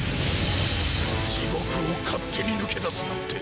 地獄を勝手に抜け出すなんて。